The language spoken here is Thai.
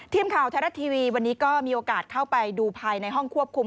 ทีมข่าวไทยรัฐทีวีวันนี้ก็มีโอกาสเข้าไปดูภายในห้องควบคุม